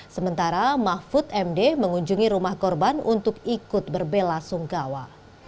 sementara mahfud md mengunjungi rumah korban untuk ikut berbela sunggawa